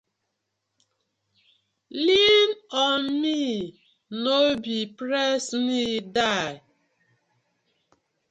Lean on me, no be press me die: